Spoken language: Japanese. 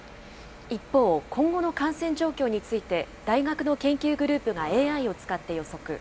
一方、今後の感染状況について大学の研究グループがＡＩを使って予測。